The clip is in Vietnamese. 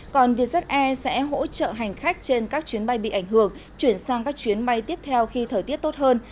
còn vietjet air sẽ hỗ trợ hành khách trên các chuyến bay bị ảnh hưởng chuyển sang các chuyến bay tiếp theo khi thời tiết tốt hơn